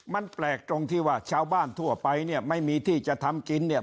มันแปลกตรงที่ว่าชาวบ้านทั่วไปเนี่ยไม่มีที่จะทำกินเนี่ย